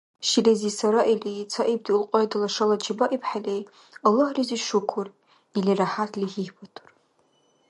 Шилизи сараили, цаибти улкьайтала шала чебаибхӀели, «Аллагьлизи шукур» или ряхӀятли гьигьбатур.